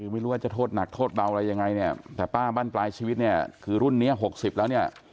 ไม่รู้ว่าจะโทษหนักโทษเบาอะไรยังไงเนี่ยแต่ป้าบ้านปลายชีวิตเนี่ยคือรุ่นนี้๖๐แล้วเนี่ย